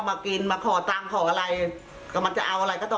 มาขอเงินขอแบสวนถึงพอขออะไรมันจะเอาอะไรก็แบบนั้น